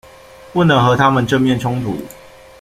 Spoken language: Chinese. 不能和他们正面冲突